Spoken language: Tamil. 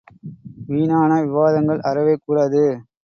வீணான விவாதங்கள் அறவே கூடாது.